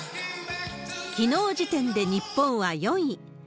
きのう時点で日本は４位。